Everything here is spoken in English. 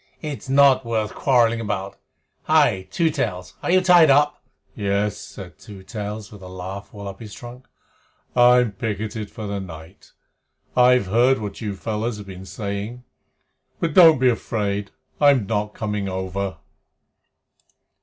"It's not worth quarreling about. Hi! Two Tails, are you tied up?" "Yes," said Two Tails, with a laugh all up his trunk. "I'm picketed for the night. I've heard what you fellows have been saying. But don't be afraid. I'm not coming over."